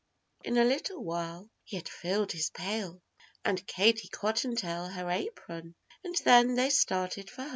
In a little while he had filled his pail and Katie Cottontail her apron, and then they started for home.